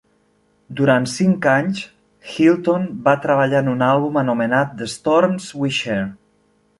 Durant cinc anys, Hilton va treballar en un àlbum anomenat "The Storms We Share".